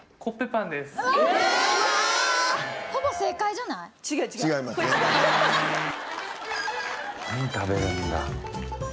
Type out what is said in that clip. パン食べるんだ。